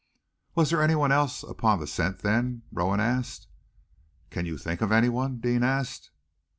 "Was there anyone else upon the scent, then?" Rowan asked. "Can you think of anyone?" Deane asked.